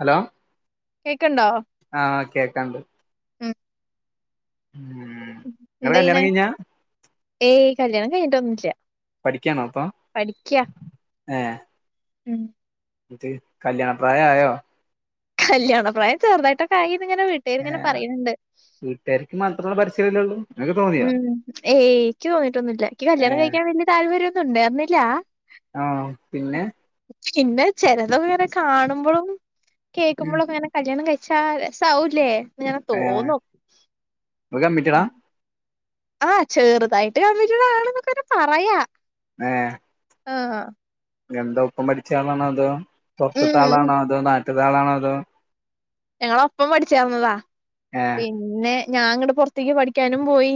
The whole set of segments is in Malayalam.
ഹലോ കേക്കിണ്ടോ ആഹ് കേക്കാണ്ട് ഉം നിങ്ങളെ കല്യാണം എന്തെയ്യ്‌ണെ കഴിഞ്ഞാ ഏയ് കല്യാണം കഴിഞ്ഞിട്ടോന്നുല്ല. പഠിക്കാണോ പ്പൊ ഏഹ് ഉം ന്ത് കല്യാണപ്രായായോ കല്യാണ പ്രായം ചെറുതായിട്ടൊക്കായിന്ന് ഇങ്ങനെ വീട്ടേര് ഇങ്ങനെ പറയ്‌ണ് ണ്ട് വീട്ടാര്ക്ക് മാത്രമേ പരസ്യല്ലേള്ളൂ ഉം ഏയ് ഇക്ക് തോന്നീട്ടൊന്നുല്ല ഇക്ക് കല്യാണം ഏഹ് കഴിക്കാൻ വെല്ല്യെ താല്പര്യൊന്നും ഉണ്ടായ്ര്ന്നില്ല ആഹ് പിന്നെ പിന്നെ ചെലതൊക്കെ ഇങ്ങനെ കാണുമ്പളും ഉം കേക്കുമ്പളോക്കെ ങ്ങനെ കല്യാണം കയ്ച്ചാ രസാവുല്ലേ ന്നിങ്ങനെ ഏഹ് തോന്നും ഇങ്ങള് കമ്മിറ്റടാ ആഹ് ചേറ്തായിട്ട് കമ്മിറ്റഡ് ആണ് എന്നൊക്കങ്ങന പറയാ ഏഹ് ആഹ എന്താ ഒപ്പം പഠിച്ചെ ആളാണ അതോ ഉം പൊർത്തിത്താളാണോ അതോ നാട്ടിത്താളാണോ അതോ ഞങ്ങള് ഒപ്പം പഠിച്ചേർന്നതാ ഏഹ് പിന്നെ ഞാങ്ങട് പൊർത്തേക്ക് പഠിക്കാനും പോയി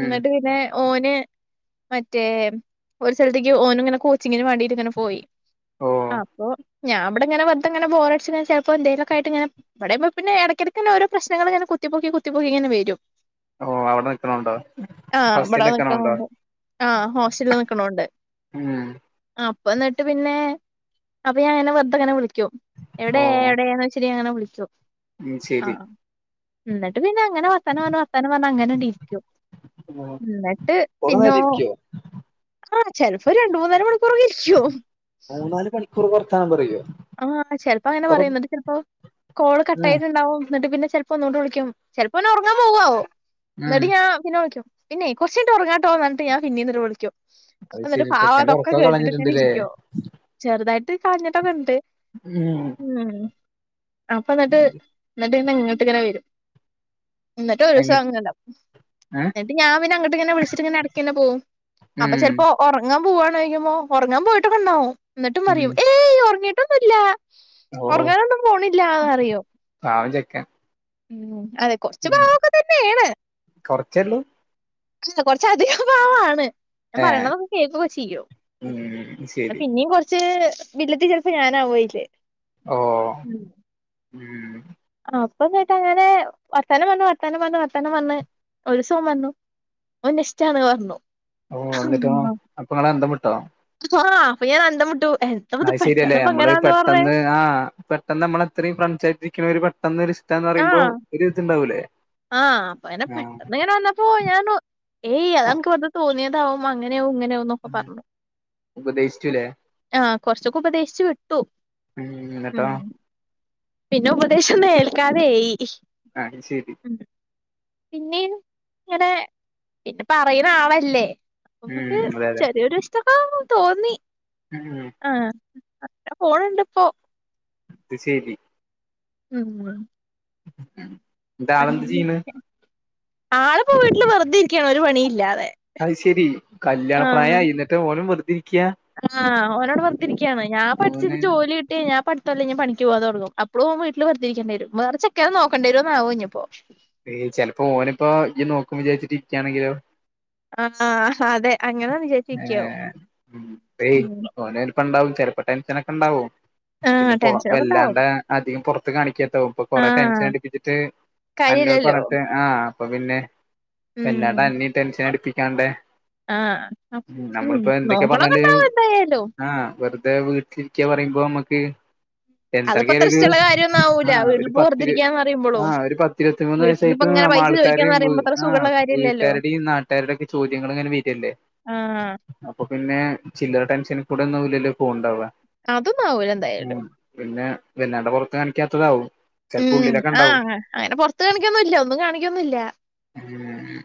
ഉം ന്നട്ട് പിന്നെ ഓന് മറ്റേ ഒരു സ്ഥലത്തേക്ക് ഓന് ഇങ്ങനെ കോച്ചിങ്ങിന് വേണ്ടിട്ട് ഇങ്ങനെ പോയി. ഓഹ് അപ്പൊ ഞാൻ ഇവടെ ഇങ്ങനെ വെർദങ്ങനെ ബോറടിച്ച് ചെൽപ്പോ എന്തെലൊക്കെ ആയിട്ട് ഇങ്ങനെ ഇവടേമ്പൊ പിന്നെ എടക്കെടക്കിങ്നെ ഓരോ പ്രശ്നങ്ങളിങ്ങനെ കുത്തിപ്പൊക്കി കുത്തിപ്പൊക്കിങ്ങനെ വെരും ഓഹ് അവ്ടെ നിക്കിണോണ്ടോ ആഹ് ഹോസ്റ്റല്ല് ഇവിടെ നിക്കിണോണ്ടോ നിക്കണോണ്ട് ആഹ് ഹോസ്റ്റൽല് നിക്കണോണ്ട് ഉം അപ്പന്നിട്ട് പിന്നെ അപ്പൊ ഞാൻങ്ങനെ വെർതെങ്ങനെ വിളിക്കും എവിടെ ഓഹ് എവിടെന്ന് [unintelligible] അങ്ങനെ വിളി ഉം ശരി ആഹ് ഇന്നിട്ട് പിന്നെ അങ്ങനെ വത്താനം പർഞ്ഞു വത്താന പർഞ്ഞ അങ്ങനണ്ടിര്ക്കു ന്നട്ട് കൊറേ പിന്നോ നേരം ഇരിക്കോ ആ ചെൽപ്പോ രണ്ട് മൂന്നാല് മണിക്കൂറൊക്കെ ഇരിക്കും മൂന്നാല് മണിക്കൂർ വർത്താനം പറീല്ലേ? ആഹ് ചെൽപ്പ അങ്ങനെ പറയും ഇന്നിട്ട് ചെൽപ്പോ കോള് കട്ട് ആയിട്ടിണ്ടാവും ഇന്നിട്ട് പിന്നെ ചെ പ്പൊന്നുടെ വിളിക്കും ചെൽപ്പോന് ഒർങ്ങാൻ പോവാവു ഉം ഇന്നിട്ട് ഞാ പിന്നെ വിളിക്കും പിന്നെയ് കൊർച്ചയ്ഞ്ഞിട്ട് ഒർങ്ങാട്ടോ അർഞ്ഞാട്ട് ഞാ പിന്നീ ഇന്നിട്ട് വിളിക്കു അത് എന്നിട്ട് ശരി ചെക്കന്റെ പാവതൊക്കെ ഉറക്കൊക്കെ കേട്ടിട്ട്ങ്ങനെ കളഞ്ഞിട്ടുണ്ടല്ലേ ഇരിക്കൊ ചെറുതായിട്ട് കരഞ്ഞ്ട്ടൊക്കെ ഇണ്ട് ഉം ഉം അപ്പൊ ന്നട്ട് ന്നട്ട് ഇങ്ങട്ട് ഇങ്ങനെ വരും ഇന്നിട്ട് ഒരൂസ എങ്ങ [unintelligible] ഏ ഇന്നിട്ട് ഞാൻ പിന്നെ അങ്ങോട്ടിങ്ങനെ വിൾച്ചിട്ട് ഇങ്ങനെ എട്ക്കിന്നെ പോവും അപ്പ ഉം ചെൽപ്പോ ഒർങ്ങാൻ പോവവാണോയ്ക്കുമ്പോ ഒർങ്ങാൻ പോയിട്ടൊക്കെണ്ടാവും ഇന്നിട്ടും ഉം പറിയും ഏ ഇല്ല ഓ ഒർങ്ങാനൊന്നും പോണില്ല അറിയോ പാവം ചെക്കൻ ഉം അതെ കൊർച്ചു പാവൊക്കെ തെന്നേണ് കൊർച്ചേല്ലൂ ഇല്ല കൊറച്ചധികം പാവാണ് ഞ ഏ പറീണതൊക്കെ കേക്കൊക്കെ ചെയ്യും ഉം ശരി പിന്നിം കൊർ ച് വില്ലത്തി ചെൽപ്പോ ഞാനാവു അയ്ല് ഓ മ്മ് അപ്പന്നിട്ട് അങ്ങനെ വർത്തനം പർഞ്ഞ് വർത്താനം പർഞ്ഞ് വത്തനം പർഞ്ഞ് ഒരൂസോൻ പർഞ്ഞു ഓന്നെ ഇഷ്ടാണ് പർഞ്ഞു ഓ ഇന്നിട്ടോ അപ്പങ്ങളന്തം വിട്ടോ ആഹ് അപ്പൊ ഞാൻ അന്ധംവിട്ടു എൻ അത് ശരിയല്ലേ അമ്മള് പെട്ടെന്ന് ആഹ് പെട്ടെന്നമ്മള് അത്രിം ഫ്രണ്ട്സ് ആയിട്ട് ഇരിക്കണോര് പെട്ടെന്നൊരിസ് ആഹ് ആഹ് അപ്പൊ അങ്ങനെ ആ പെട്ടെന്ന് ഇങ്ങനെ വന്ന പ്പോ ഞാനു ഏയ് അതൻക്ക് വെർതെ തോന്ന്യേതാവും അങ്ങെനെയാവും ഇങ്ങനാവു ഉമ്മൊക്കെ ഉം. പർഞ്ഞു ഉപദേശിച്ചുല്ലേ ആഹ് കൊർച്ചൊക്കെ ഉപദേശ്ചു വിട്ടു ഉം ഉം ഇന്നിട്ടോ പിന്നെ ഉപദേശോന്നും ഏൽക്കാതേയി. ആഹ് ശരി പിന്നെയും ഇങ്ങനെ പിന്നെ പറിണ ആളല്ലേ മ്മുക്ക് ഉം അതെ അതെ ചെറിയൊരു ഇഷ്ടൊക്കെ തോന്നി മ്മ് അഹ് അത്രപോണ് ഇപ്പോ അത് ശെരി ഹ്ഹ്മ് ഉം ആള്പ്പോ വീട്ടിൽ വെറുതെ ഇരിക്കാണ് ഒരു പണിയില്ലാതെ അയ് ശെരി കല്യാണ ആഹ് പ്രായായീ ഇന്നിട്ടോനു വെർതെരിക്ക ആഹ് ഒനവ്ടെ വെർതേരിക്യാണോ ഞാൻ പഠിച്ച് ഓന് ജോലി ഞാ [unintelligible] പണിക്ക് പോവാൻ തുടങ്ങും അപ്പോളും ഓൻ വീട്ടിൽ വെറുതിരിക്കേണ്ടി വരും വേറ ചെക്കനെ നോക്കണ്ട രിന്നാവും ഇഞ്ഞ്പ്പോ? ചെലപ്പോ ഓന്പ്പോ ഇജ്ജ് നോക്കു വിചാരിച്ചിട്ടിരിക്കാണെങ്കിലോ ആഹ് ഹ അതെ അങ്ങനൊന്നും ചെ ഏഹ് ഓനെൽപ്പണ്ടാവും ചെൽപ്പ ടെൻഷനൊക്കെണ്ടാവും പിന്നെ ആഹ് പോ ടെൻഷനൊക്കെ ഇണ്ടാവും ഒറപ്പല്ലാണ്ടേ അധികം പൊറത്ത് കാണിക്കാത്താവും ഇപ്പൊ കൊറെ ടെൻഷൻ ആഹ് അടിപ്പിച്ചിട്ട് അന്നോട് കാര്യല്ലല്ലോ പറഞ്ഞ്ട്ട് ആഹ് അപ്പൊ പിന്നെ ഉം വെല്ലാണ്ട് അന്നിം ടെൻഷൻ അടിപ്പിക്കാണ്ടേ ആഹ് ഉം നമ്മളിപ്പോ എന്തൊക്കെ നോക്കണൊക്കെ പർഞ്ഞാല് ഇണ്ടാവും എന്തായാലും ആഹ് വെറുതെ വീട്ടിലിരിക്ക പറയുമ്പോ മ്മക്ക് അതിപ്പോ അത്ര എന്തർക്കായാലൊരു ഇഷ്ടമുള്ള കാര്യമൊന്നും ആവൂല ആഹ് വീട്ടിൽ ഒരു ഇപ്പൊ പത്തിരു വെറുതിരിക്കാന്ന് പറയുമ്പോളും ആഹ് ഒരു പത്തിരുപത്തി മൂന്ന് വീട്ടിൽ വയസ് നിന്ന് ഇപ്പൊ ഇങ്ങനെ ചെയ്തുന്ന പൈസ ചോദിക്കാന്ന് ആൾക്കാരിം വ് പറയുമ്പോ അത്ര ആഹ് സുഖമുള്ള കാര്യമില്ലല്ലോ വീട്ടാര്ടിം നാട്ടര്ടിം ഒക്കെ ചോദ്യങ്ങൾ ഇങ്ങനെ വര് അല്ലേ ആഹ് അപ്പൊ പിന്നെ ചില്ലറ ടെൻഷനിൽ കൂടെ ഒന്നാവൂലല്ലോ പോണ് ണ്ടാവാ അധോന്നും ആവൂല എന്തായാലും പിന്നെ പിന്നട് പൊറത്ത് കാണിക്കാത്തതാവോ? ഉം ആഹ് അങ്ങനെ പൊർത്ത് കാണിക്കന്നുല്ല ഒന്നും കാണിക്കൊന്നൂല്ല ഹ്മ്മ്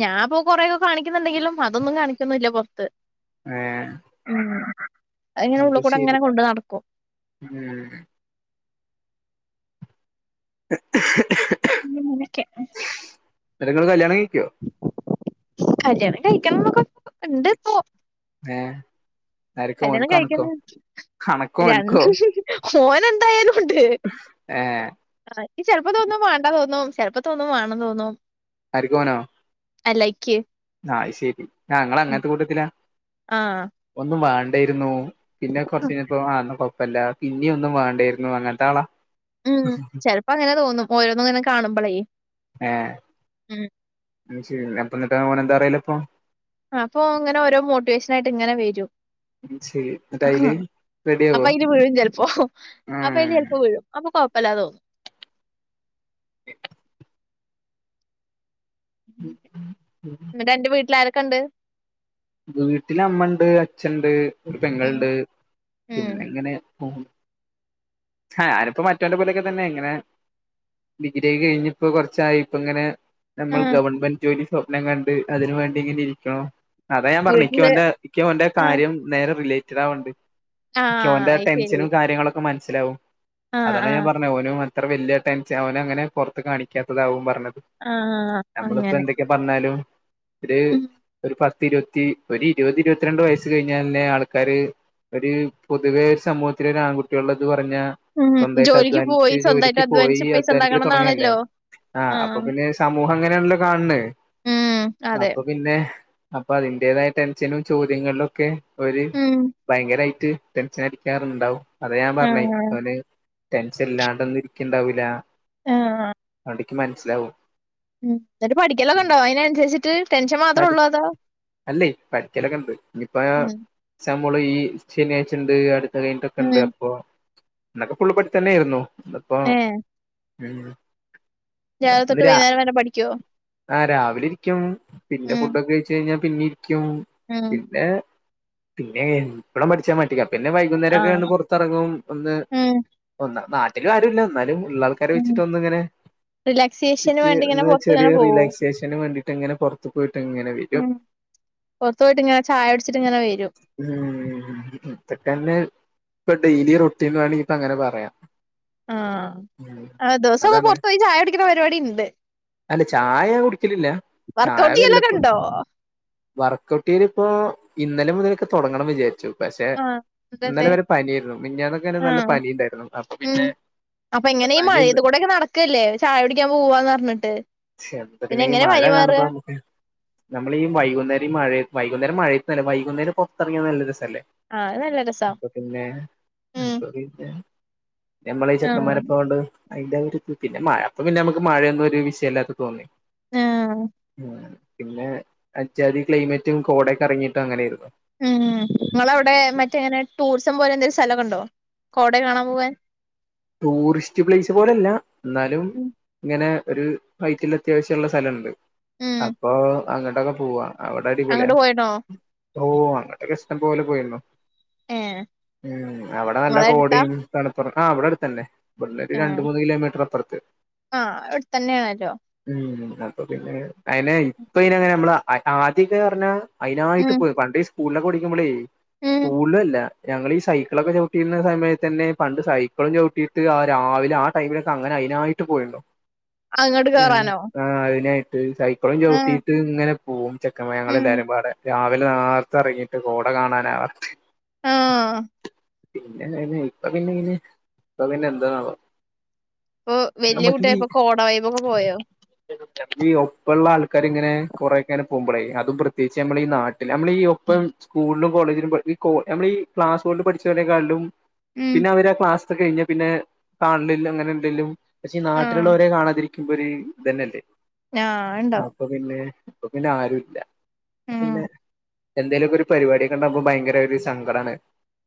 ഞാൻ ഇപ്പൊ കൊറേയൊക്കെ കാണിക്കുന്നുണ്ടെങ്കിലും അതൊന്നും കാണിക്കന്നുല്ല പൊർത്ത് ഏഹ് ഉം [unintelligible] ഇങ്ങനെ അത് ശരി ഉള്ള്ക്കൂടെങ്ങനെ കൊണ്ട് നട്ക്കും ഉം ഇന്ന്ങ്ങനെക്കെ ന്നട്ട് ഇങ്ങള് കല്യാണം കഴിക്കോ കല്യാണം കഴിക്കണന്നൊക്കെ ഇണ്ട് ഇപ്പോ ഏഹ് ആര്ക്ക് കല്യാണം ഓൻക്കോ അണക്കോ കഴിക്കുന്ന അണക്കോ ഓൻക്കോ രണ്ട് മോന എന്തായാലും ഉണ്ട് ഏഹ് [unintelligible] ഇക്ക് ചെലപ്പ തോന്നും വണ്ടാ തോന്നും ചെലപ്പോ തോന്നും വാണം തോന്നും ആര്ക്ക് ഓനൊ അല്ല ഇക്ക് ആ ശെരി ഞങ്ങളങ്ങൻത്തെ കൂട്ടത്തിലാ ആ ഒന്നും വാണ്ടെര്ന്നു. പിന്നെ കൊർച്ചഴിഞ്ഞപ്പൊ ആന്നും കൊഴപ്പല്ല പിന്നിം ഒന്നും വാണ്ടെര്ന്നു അങ്ങൻത്തെ ആളാ ചെൽപ്പോ അങ്ങനെ തോന്നും ഓരോന്നുംങ്ങനെ കാണുമ്പളേ ഏഹ് ഉം. അയ് ശെരി അപ്പം ന്നട്ട് ഓന് എന്താ പറയല് ഇപ്പൊ ആപ്പൊ ഇങ്ങനോരോ മോട്ടിവേഷനായിട്ട്, ങ്ങനെ വരും. ശരി എന്നിട്ട് അഹാ. അയില് റെഡിയാവോ അപ്പയിന് വീഴും ചെൽപ്പോഅപ്പയ്ന് ആഹ് ചെൽപ്പോ വിഴും. അപ്പൊ, കൊഴപ്പല്ലാതു. ഉം ഉം ന്നട്ട് എന്റെ വീട്ടിലാരൊക്കെ ഇണ്ട് വീട്ടിലമ്മണ്ട് അച്ഛണ്ട് ഒരു ഉം പെങ്ങൾണ്ട്. ഉം. പിന്നെങ്ങനെ പോകും ആര് പ്പോ മറ്റേന്റെ പോലെക്കെതെന്നെ ങ്ങനെ, ഡിഗ്രി യ് കഴിഞ്ഞിപ്പോ, കൊറച്ചായിപ്പങ്ങനെ. നമ്മൾ ആഹ് ഗവൺമെന്റ് ജോലി സ്വപ്നം കണ്ട് അതിന് വേണ്ടി ഇങ്ങനെ ഇരിക്കണം അതാഞാ പറഞ്ഞെ വീട്ടില് ഇക്കൊ ൻ്റെ, ആഹ് കാര്യം നേരെ റിലേറ്റഡാവ്ണ്ട്. ക്ക് ആഹ് ഓന്റെ അയ്ശരി. ടെൻഷനും കാര്യങ്ങളും ഒക്കെ മൻസ്സിലാവും ആഹ് അതോണ്ട ഞാൻ ആഹ് പറഞ്ഞത് ഓലും അത്ര വല്യ ടെൻഷൻ അവനും അങ്ങനെ പുറത്ത് കാണിക്കാത്തതാവും പറഞ്ഞത് ആഹ് നമ്മള്പ്പോ അങ്ങനെ. എന്തൊക്കെ പറഞ്ഞാലും ഒരു ഉം ഒരു പത്ത് ഇരുപ ഒര് ഇരുപത് ഇരുപത്തിരണ്ട് വയസ്സ് കഴിഞ്ഞാലല്ലെ, ആൾക്കാര്. ഒരു പൊതുവെ സമൂഹത്തി ആൺകുട്ടികള്ളത് പറഞ്ഞാ ഉം സ്വന്തായ്ട്ട് ജോലിക്ക് പോയി അധ്വാനിച്ച് സ്വന്തായിട്ട് ജോലിക്ക് പോയി അധ്വാനിച്ച് പൈസ അധ്വാനിക്കല് തൊടങ്ങല്ലേ ഇണ്ടാക്കണംന്നാണല്ലോ. ആ അപ്പൊ ആഹ് പിന്നെ സമൂഹങ്ങനെല്ലോകാൺണ് ഉം അതെ അപ്പൊ പിന്നെ.. അപ്പൊ അതിന്റേതായ ടെൻഷനും ചോദ്യങ്ങളിലും ഒക്കെ ഒരു ഉം ഭയങ്കരായിട്ട് ടെൻഷനടിക്കാറുണ്ടാവും. അതെ ഞാ പറഞത് ആഹ് അവന് ടെൻഷെല്ലാണ്ടൊന്നും ഇരിക്ക്ണ്ടാവൂല. ആഹ് അടിക്ക്മനസ്സിലാവും ഉം. ന്നെട്ട് പഠിക്കലൊക്കെണ്ടോ അയിനനുസരിച്ചിട്ട് ടെൻഷൻ മാത്രള്ളോ അതോ? അല്ലെയ്‌ പഠിക്കലൊക്കെണ്ട് ഇനിയിപ്പോ ഉം എക്സാമേള് ഈ ശെനിയാഴ്ചണ്ട്, അടുത്ത ഉം. കഴിഞ്ഞട്ടൊക്കെണ്ട്, അപ്പൊ. [unintelligible] അന്നൊക്കെ സ്കൂളിൽ പഠിച്ചന്നേയിരുന്നു ഏഹ്. രാവിലെ ന്ന് തൊട്ട് വൈകുന്നേരം വരെ പഠിക്കോ? രാആ രാവിലിരിക്കും പിന്നെ ഉം. ഫുഡൊക്കെയ് കഴിഞ്ഞാ പിന്നെരിക്കും ഉം. പിന്നെ പിന്നെ ഇപ്പളും മടിച്ചാ മതിയോ പിന്നെ ആഹ്. വൈകുന്നേരെക്കെണ്ട് പെർത്തെർങ്ങും ഒന്ന് ഉം. നാട്ടിലാരുല്ല ന്നാലും ഉള്ളാൾ ഉം. ഹലോയ്ച്ച്ട്ട് ഒന്നു അങ്ങനെ ചി റിലാക്സേഷന് ചെർ വേണ്ടി ഇങ്ങനെ റ് പൊറത്ത്ങ്ങനെ ചെറിയ പോവോ? റിലാക്സേഷന് വേണ്ടിട്ട്ങ്ങനെ പോവു പോയിട്ട്ങ്ങനെ വി അദ് പോർത്ത്പോയിട്ട് ങ്ങ്ങനെ ചായെട്ച്ചിട്ട് ങ്ങനെവരും ഉം ഇതക്കന്നെ പ്പൊ ഡെയ്ലി റൊട്ടീനാ ണെങ്കിൽ പ്പ അങ്ങനെ പറയാം. ഉം ആഹ് ദിവസൊക്കെ അതാണ് പൊർത്തോയി ചായ കുടിക്ക്ണ പരിപാടിണ്ട്. അല്ല ചായ ഞാൻ കുടിക്കലില്ല ചായ വർക്കൗട്ട് ചെയ്യലൊക്കെ വല്ലപ്പോഴും ഇണ്ടോ? വർകെക്കേരി പ്പൊ ഇന്നലെ മുതൽക്ക് തൊടങ്ങണം വിചാരിച്ചു. പഷെ.. ആഹ്. എന്നിട്ടെന്തേ? ഇന്നെലെവരെ പനിയെര്ന്നു. മിഞ്ഞാന്നെക്കെ, നല്ല പനിണ്ടായിരുന്നു അപ്പൊ പിന്നെ. അപ്പൊങ്ങനെ യും പനി ഉണ്ട് മഴയത്ത് കൂടെക്കെ നടക്കെല്ലെ, ചായ കുടിക്കാൻ പോവാന്നർഞ്ഞിട്ട്. ഷെപ്പ പിന്നെ ഈ മഴ കാണുബഠനമുക്ക് നമ്മളീ, വൈുന്നേരം മഴയ്. വൈകുന്നേരം മഴയ്തെല്ല വൈകുന്നേരം പെർത്തെറങ്ങിയാ നല്ലരെസല്ലെ. ആഹ് അത് നല്ല രസാ പിന്നെ ഉം. [unintelligible] നമ്മളെ ഈ ആഹ്. ചെക്കന്മാരെപ്പൊണ്ട് അയ്ന്റെ ആ ഒരിത് പിന്നെ മഴ അപ്പൊ പിന്നെ നമുക്ക് മഴൊന്നും ഒരു വിഷയല്ലാത്തെ തോന്ന്യ ആഹ്. പിന്നെ അജ്ജാതി ക്ലൈമറ്റും കോടയക്കെ അറങ്ങിട്ടും അങ്ങനൊയിരുന്നു ഉം ഇങ്ങളവ്ടെ മറ്റേനെ ടൂറിസം പോലെ എന്തേലും സലൊക്കെണ്ടോ കോട കാണാൻ പോവാൻ ടൂറിസ്റ്റ് പ്ലൈസ് പോലല്ല ന്നാലും ഉം ഇങ്ങനെ ഒരു, ഹൈറ്റിലത്യാവശൃള്ള സലണ്ട്. ഉം അപ്പൊ അ ങ്ങണ്ടെക്കെ പോവ്വാ അവടെ അടിപൊളിയാ അങ്ങട്ട് പോയിണോ ഓ.. അങ്ങണ്ടെക്കെ ഇഷ്ബേലെ പോയിര്ന്നു. ഏഹ് ഉം, അവ്ടെ നല്ല ഇങ്ങളെ എടുത്താ ഗോഡിം തണുപ്പുറ ആഹ് ഇവടെ അടുത്തന്നെ ഇവ്ട്ന്നൊരു രണ്ട് ആഹ് മൂന്ന് കിലോമീറ്റർ അപ്പൊർത്ത് ആഹ് അവിടെ തന്നെയാണല്ലോ ഉം അപ്പൊ പിന്നെ അയിനെ ഇപ്പയ്ന അങ്ങനെ നമ്മള് ആദ്യൊക്കെർഞ്ഞാ അയിനായിട്ട് ഉം പോയി പണ്ട് ഈ സ്കൂളിലൊക്കെ ടിക്കുമ്പോളേ ഉം സ്കൂളല്ല ഞങ്ങളീ സൈക്കിളൊക്കെ ചവിട്ടീരുന്ന സമയത്ത് തന്നെ പണ്ട് സൈ ഇപ്പളുംചൗട്ടീട്ട് ആ രാവിലെ ആ ടൈമിലൊക്കെ അങ്ങനെ അയിനായിട്ട് പോയീണ്ടാവും അങ്ങട്ട് കേറാനോ [unintelligible] സൈക്കിളും ആഹ് ചവിട്ടിയിട്ട് ഇങ്ങനെ പോകും ചെക്ക മ ഉം ഞങ്ങെളെല്ലാരും പാടെ രാവിലെ നേർത്തെ എറങ്ങീട്ട് കോട കാണാനാ ആഹ് ല്ല ല്ലാ... ഇപ്പൊ പിന്നെങ്ങനെ അപ്പൊ പിന്നെ എന്താണാവോ പ്പൊ വെല്ല്യെ നമുക്ക് ഈ കുട്ട്യായ്പ്പോ കോട വയ്ബൊക്കെ പോയോ ഈ ഒപ്പള്ള ആൾക്കാ ഇങ്ങനെ കൊറെക്കെനെ പോകുമ്പോളേ അതും പ്രത്യേകിച്ച് നമ്മൾ ഈ നാട്ടില് നമ്മളീ ഒപ്പം സ്കൂൾലും കോളേജിലും പഠിപ്പിക്കോ നമ്മള്ഈ ക്ലാസോൾപഠിചവ രെക്കാൾലും ഉം പിന്നവരെ ക്ലാസ്. ത് കഴിഞ്ഞാപിന്നെ കാൺലില്ലാ അങ്ങനെന്തെലും പ ക്ഷെ ഈ ആഹ് നാട്ടിലുള്ളേരെ കാണാതിരി മുമ്പൊര് ഇതന്നെല്ലേ ഞാ.. ആ.. ണ്ടാവും അപ്പൊ പിന്നെ, പ്പ പിന്നെ ആരുല്ല ഉം പിന്നെ. എന്തേലൊ ക്കെ ഒരു പരിപാടിയെക്കെണ്ടാകുമ്പൊ ഭയങ്കര ഒരു സ ങ്കടാണ്.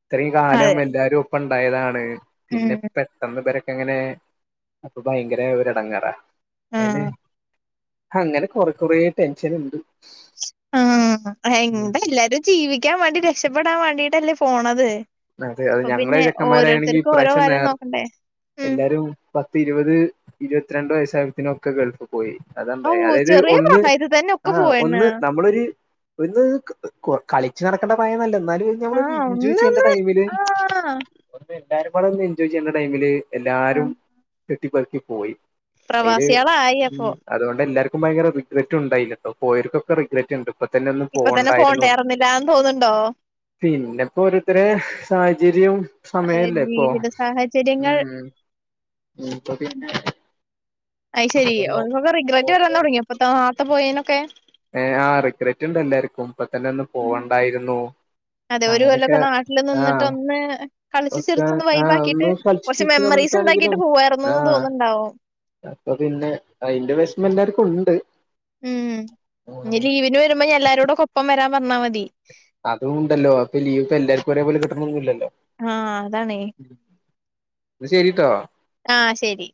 ഇത്രയും കാലം അതെ എല്ലാരും. ഇണ്ടായതാണ് ഉം പിന്നെ പെട്ടെന്ന് മ്പരൊക്കെ ങ്ങനെ അപ്പൊ ഭയങ്കര ഒരെടങ്ങെറാ അയ്ന് ആഹ് അങ്ങനെ കൊറെ കുറേ ടെൻഷൻണ്ട് ആഹ്, ഹയ്ന്റെ ല്ലാരും. ജീവിക്കാൻ വേണ്ടി, രക്ഷപ്പെടാൻ വേണ്ടീട്ടല്ലേ, പോണത്. അതെ അത് അപ്പൊ ഞങ്ങളെ പിന്നെ ചെക്കന്മാരായാണെങ്കി ഓരോരുത്തർക്കും ഓരോ ഇപ്രാവശ്യം കാര്യം നേർ നോക്കണ്ടേ ഉം എല്ലാരും പത്ത് ഇരുപത് ഇരുപത്തിരണ്ട് വയസ്സായപ്പൊത്തിന് ഒക്കെ ഗൾഫ് പോയ് ഔ അതാണ്ടായ്, അതായത് ചെറിയ ഒന്ന് പ്രായത്തിൽ തന്നെ ഒക്കെ ആഹ് പോയണ്ണാ ഒന്ന് നമ്മളൊര്. ത്... ക്.. ക് കെ കളിച്ചടക്കേണ്ട പ്രായോന്നല്ല ന്നാലും നമ്മളൊരു ആഹ് എൻജോയ് ചെയ്യേണ്ട ഒന്നന്ന് ഇത്.. ആഹ് [unintelligible] എല്ലാരുംബാടെ എൻജോയ് ചെയ്യെണ്ട ടയ്മില്, എല്ലാരും. ആഹ് ത്തി പറക്കി പോയി അയ്ല് പ്രവാസികളായി അപ്പൊ അതുകൊണ്ടെല്ലാർക്കും ഭയങ്കര റിഗ്രറ്റ്ണ്ടായില്ലട്ടോ. പോയേർകെക്കെ റിഗ്രറ്റ്ണ്ട്. ഇപ്പൊ തന്നെ ഒന്നും ഇപ്പൊ തന്നെ പോവണ്ടായിരുന്നുന്ന് പോണ്ടേർന്നില്ലാന്ന് തോന്നുന്നുണ്ടോ പിന്നെപ്പോ ഓരേര്ത്തര് സാഹചര്യം അതെ സമയല്ലേ ഇപ്പൊ ജീവിത സാഹചര്യങ്ങൾ ഉം ഇപ്പൊ പിന്നെ അയ് ശെരി ഇപ്പൊന്ന് ഒന്ന്റിഗ്രറ്റ് വരാൻതുടങ്ങിയപ്പെ. നാർത്ത പോയയി നൊക്കെ. ഏ ആ റിഗ്രറ്റ്ണ്ട് എല്ലാർക്കും പ്പതെന്നെന്നും പോവണ്ടായിരുന്നു അതെ ഒരു അങ്ങനെക്കെ കൊല്ലൊക്കെ നാട്ടില് നിന്നിട്ട് ആഹ് ഒന്ന് കളിച്ച് ഒക്കെ ചിരിച്ചൊന്ന് ആഹ് വൈബാക്കിട്ട് ഒന്ന് കുറച്ച് ചീച്ച മെമ്മറീസ് നന്നിട്ടാണെങ്കിലും ഉണ്ടാക്കിട്ട് പോവായിരുന്നുന്ന് ആഹ് തോന്നുന്നുണ്ടാവും അപ്പൊ പിന്നെ, അയിന്റെ വെഷ്മെല്ലാര്ക്കുണ്ട്. ഉം ഇഞ് ലീവിന് വരുമ്പോ ഇഞ് എല്ലാരൊടൊക്കെ ഒപ്പം വരാൻ പർഞ്ഞാ മതി അതുണ്ടല്ലോ ത്പ്പ ലീവ്പ്പെല്ലാർക്കും ഒരേപോലെ കിട്ടൊണന്നില്ലല്ലോ. ആഹ് അതാണേ അ ശരിട്ടോ ആഹ് ശരി